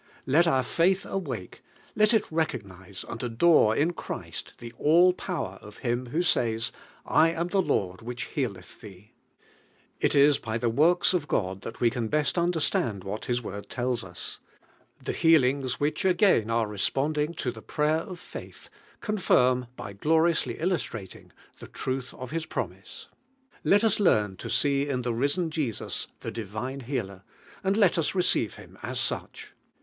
Let our faith awake, let it recognise and adore in Christ the all power of Him who says: "I am the Lord which healeth thee." It is by the works of God that we can best understand what Ilia Word tells ns; the healings which again are responding to the prayer of faith confirm, by gloriously Musi rating, tin truth of His promise. I. Ill lllVUNE UEALIUO, Let ns learn to see in the risen Jesus Hie divine Healer, and let us receive Him as such.